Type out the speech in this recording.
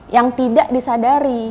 yang tidak disadari